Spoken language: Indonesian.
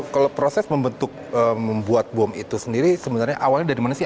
kalau proses membentuk membuat bom itu sendiri sebenarnya awalnya dari mana sih